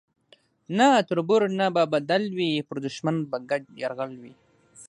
نه تربور نه به بدل وي پر دښمن به ګډ یرغل وي